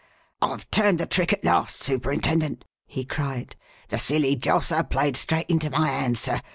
"I've turned the trick at last, Superintendent," he cried. "The silly josser played straight into my hands, sir.